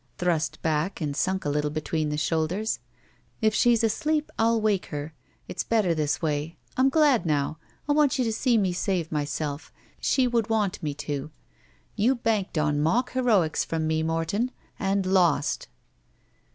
Hirust back and sunk a little between the shoulders. "K she's asleep, 111 wake her. It's better this way. I'm glad, now. I want her to see me save myself. She would want me to. You banked on mock heroics from me, Morton. You lost."